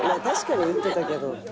確かに言ってたけど。